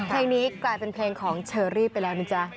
เพลงนี้กลายเป็นเพลงของเชอรี่ไปแล้วนะจ๊ะ